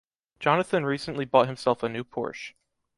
Jonathan recently bought himself a new Porsche.